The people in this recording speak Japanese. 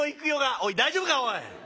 「おい大丈夫かおい。